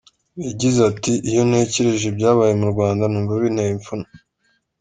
Yagize ati “ Iyo ntekereje ibyabaye mu Rwanda numva binteye ipfunwe.